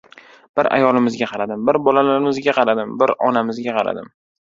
Bir ayolimizga qaradim, bir bolalarimizga qaradim, bir onamizga qaradim.